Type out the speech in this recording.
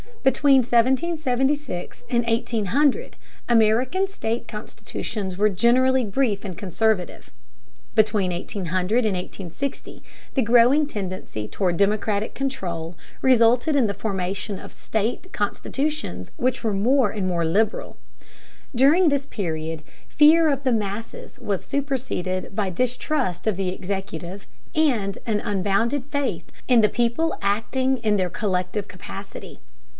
Between 1776 and 1800 American state constitutions were generally brief and conservative. Between 1800 and 1860 the growing tendency toward democratic control resulted in the formation of state constitutions which were more and more liberal. During this period fear of the masses was superseded by distrust of the executive and an unbounded faith in the people acting in their collective capacity.